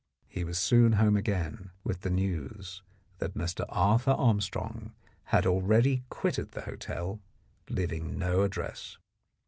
He was soon home again with the news that Mr. Arthur Armstrong had already quitted the hotel, leaving no address.